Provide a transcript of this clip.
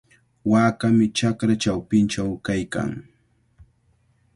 Waakami chakra chawpinchaw kaykan.